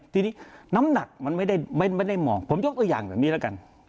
ทีนี้น้ำหนักมันไม่ได้มองผมยกตัวอย่างแบบนี้แล้วกัน